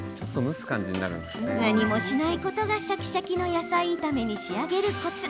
何もしないことがシャキシャキの野菜炒めに仕上げるコツ！